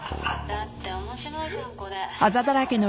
だって面白いじゃんこれ。